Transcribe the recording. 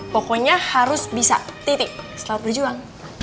pokoknya harus bisa titik selamat berjuang